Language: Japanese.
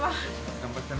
頑張ってな。